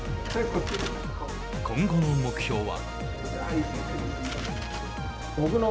今後の目標は。